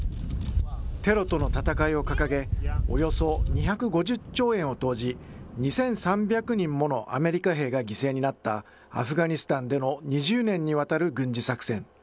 テロとの戦いを掲げ、およそ２５０兆円を投じ、２３００人ものアメリカ兵が犠牲になった、アフガニスタンでの２０年にわたる軍事作戦。